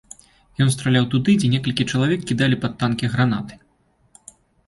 Ён страляў туды, дзе некалькі чалавек кідалі пад танкі гранаты.